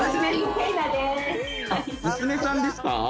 娘さんですか？